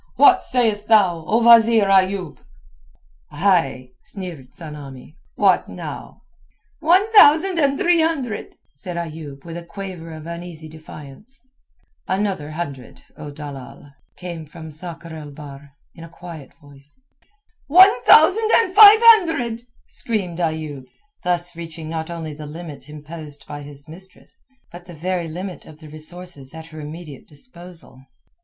What sayest thou, O wazeer Ayoub?" "Ay!" sneered Tsamanni, "what now?" "One thousand and three hundred," said Ayoub with a quaver of uneasy defiance. "Another hundred, O dalal," came from Sakr el Bahr in a quiet voice. "One thousand and five hundred," screamed Ayoub, thus reaching not only the limit imposed by his mistress, but the very limit of the resources at her immediate disposal.